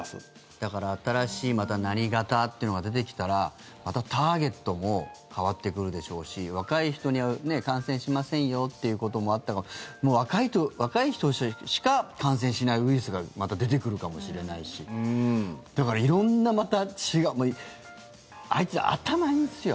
だから、新しい何型というのが出てきたらまたターゲットも変わってくるでしょうし若い人には感染しませんよということもあったかももう、若い人しか感染しないウイルスがまた出てくるかもしれないしだから色んなまた違うあいつ、頭いいんすよ。